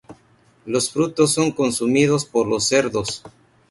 Los frutos son consumidos por los cerdos.